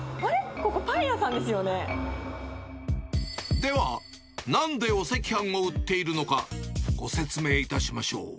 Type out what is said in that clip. ここ、では、なんでお赤飯を売っているのか、ご説明いたしましょう。